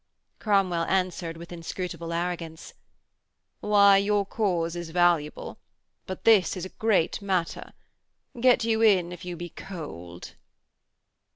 Cromwell answered with inscrutable arrogance: 'Why, your cause is valuable. But this is a great matter. Get you in if you be cold.'